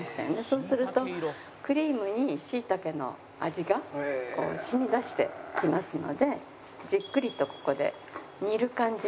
そうするとクリームに椎茸の味が染み出してきますのでじっくりとここで煮る感じね。